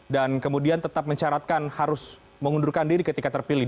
dan kemudian tetap mencaratkan harus mengundurkan diri ketika terpilih